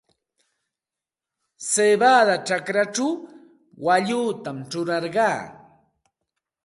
Siwada chakrachaw waallutam churarqaa.